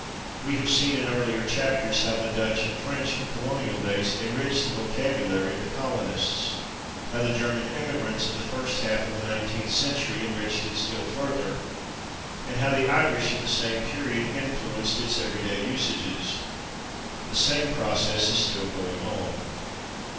We have seen, in earlier chapters, how the [Pg151] Dutch and French of colonial days enriched the vocabulary of the colonists, how the German immigrants of the first half of the nineteenth century enriched it still further, and how the Irish of the same period influenced its everyday usages. The same process is still going on.